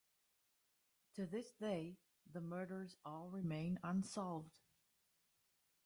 To this day, the murders all remain unsolved.